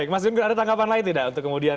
mas junker ada tanggapan lain tidak untuk kemudian